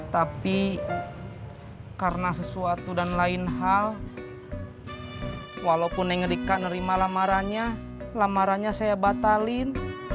tapi karena sesuatu dan lain hal walaupun yang ngerika nerima lamarannya lamarannya saya batalin